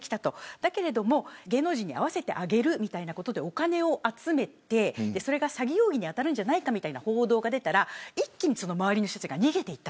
だけど、芸能人に会わせてあげるということでお金を集めそれが詐欺容疑に当たるんじゃないかという報道が出たら周りの人が一気に逃げた。